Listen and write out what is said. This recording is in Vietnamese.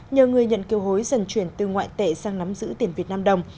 nhờ người nhận kiều hối dần chuyển từ ngoại tệ sang nắm giữ tiền việt nam đồng